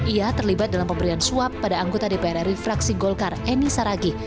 ia terlibat dalam pemberian suap pada anggota dpr ri fraksi golkar eni saragih